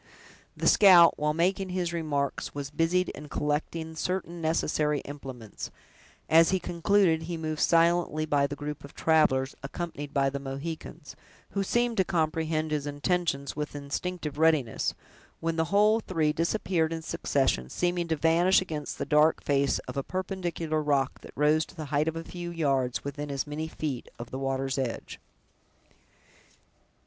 The scout, while making his remarks, was busied in collecting certain necessary implements; as he concluded, he moved silently by the group of travelers, accompanied by the Mohicans, who seemed to comprehend his intentions with instinctive readiness, when the whole three disappeared in succession, seeming to vanish against the dark face of a perpendicular rock that rose to the height of a few yards, within as many feet of the water's edge.